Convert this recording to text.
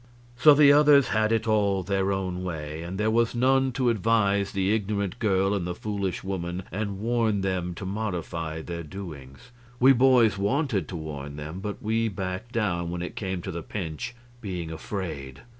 So the others had it all their own way, and there was none to advise the ignorant girl and the foolish woman and warn them to modify their doings. We boys wanted to warn them, but we backed down when it came to the pinch, being afraid.